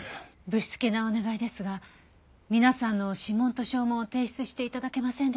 ぶしつけなお願いですが皆さんの指紋と掌紋を提出して頂けませんでしょうか？